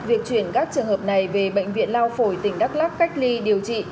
việc chuyển các trường hợp này về bệnh viện lao phổi tỉnh đắk lắc cách ly điều trị